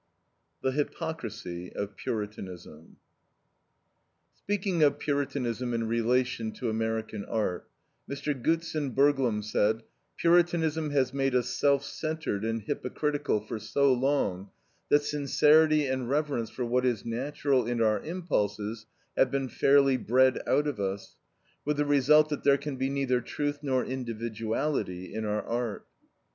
THE HYPOCRISY OF PURITANISM Speaking of Puritanism in relation to American art, Mr. Gutzen Burglum said: "Puritanism has made us self centered and hypocritical for so long, that sincerity and reverence for what is natural in our impulses have been fairly bred out of us, with the result that there can be neither truth nor individuality in our art."